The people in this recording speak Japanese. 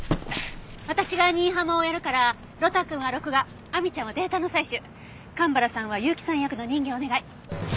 私が新浜をやるから呂太くんは録画亜美ちゃんはデータの採取蒲原さんは結城さん役の人形をお願い。